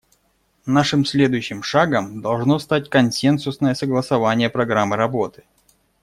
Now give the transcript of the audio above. Нашим следующим шагом должно стать консенсусное согласование программы работы.